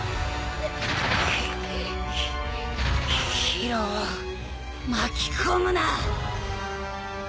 宙を巻き込むな！